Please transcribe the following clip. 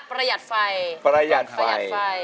ประหยัดไฟ